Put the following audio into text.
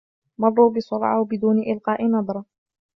مروا بسرعة و بدون إلقاء نظرة.